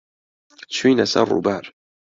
چووینە سەر ڕووبار.